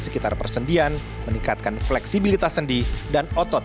untuk memperkuat persendian meningkatkan fleksibilitas sendi dan otot